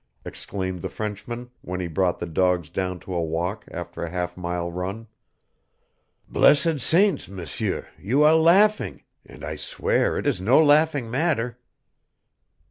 exclaimed the Frenchman when he brought the dogs down to a walk after a half mile run. "Blessed saints, M'seur, you are laughing and I swear it is no laughing matter."